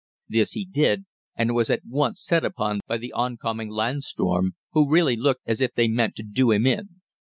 This he did, and was at once set upon by the oncoming Landsturm, who really looked as if they meant to do him in.